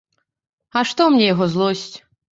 А што мне яго злосць?